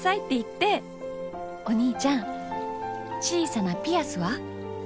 お兄ちゃん小さなピアスは？